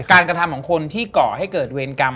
กระทำของคนที่ก่อให้เกิดเวรกรรม